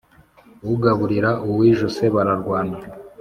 Ugaburira uwijuse bararwana.